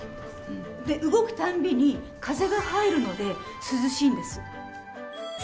で動く度に風が入るので涼しいんです。